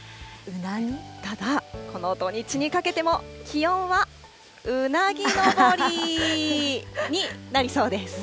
ただ、この土日にかけても気温はうなぎ登りになりそうです。